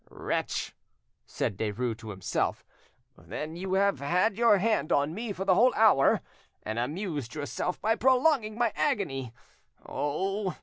"Wretch!" said Derues to himself, "then you have had your hand on me for a whole hour, and amused yourself by prolonging my agony! Oh!